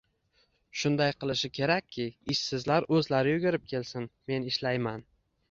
Shunday qilish kerakki, ishsizlar o‘zlari yugurib kelsin men ishlayman